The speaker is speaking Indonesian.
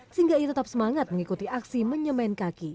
sehingga ia tetap semangat mengikuti aksi menyemen kaki